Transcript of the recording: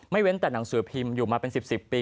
เว้นแต่หนังสือพิมพ์อยู่มาเป็น๑๐ปี